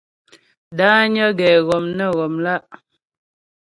Dányə́ ghɛ́ghɔm nə ghɔmlá'.